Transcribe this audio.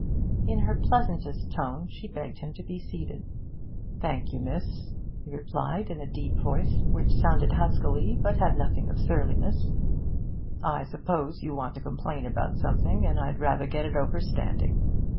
In her pleasantest tone she begged him to be seated. 'Thank you, miss,' he replied, in a deep voice, which sounded huskily, but had nothing of surliness; 'I suppose you want to complain about something, and I'd rather get it over standing.'